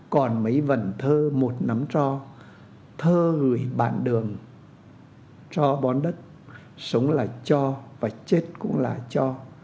còn mấy vần thơ một nắm trò thơ gửi bạn đường trò bón đất sống là trò và chết cũng là trò